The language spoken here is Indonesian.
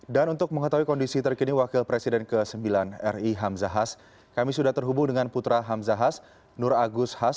dan untuk mengetahui kondisi terkini wakil presiden ke sembilan ri hamzahas kami sudah terhubung dengan putra hamzahas nur agus has